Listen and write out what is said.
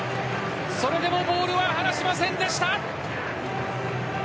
それでもボールは離しませんでした。